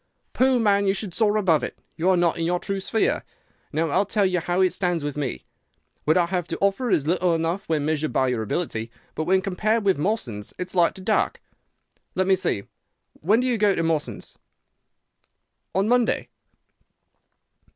"'Pooh, man; you should soar above it. You are not in your true sphere. Now, I'll tell you how it stands with me. What I have to offer is little enough when measured by your ability, but when compared with Mawson's, it's light to dark. Let me see. When do you go to Mawson's?' "'On Monday.